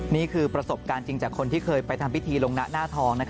นี่คือประสบการณ์จริงจากคนที่เคยไปทำพิธีลงหน้าทอง